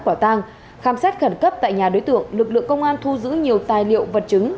quả tang khám xét khẩn cấp tại nhà đối tượng lực lượng công an thu giữ nhiều tài liệu vật chứng